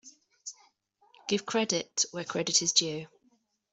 Give credit where credit is due.